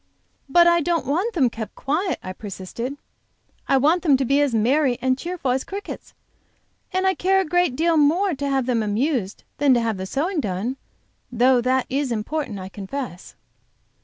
"But I don't want them kept quiet," I persisted. "I want them to be as merry and cheerful as crickets, and I care a great deal more to have them amused than to have the sewing done, though that is important, I confess."